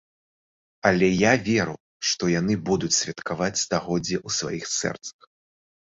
Але я веру, што яны будуць святкаваць стагоддзе ў сваіх сэрцах.